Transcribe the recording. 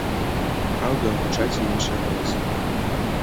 Праўда, гучаць і іншыя галасы.